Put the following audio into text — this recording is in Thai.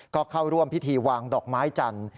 ก็เข้าร่วมพิธีวางดอกไม้จันทร์